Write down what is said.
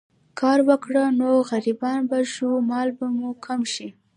کار وکړو نو غريبان به شو، مال به مو کم شي